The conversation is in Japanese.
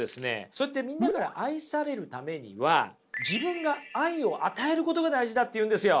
そうやってみんなから愛されるためには自分が愛を与えることが大事だっていうんですよ。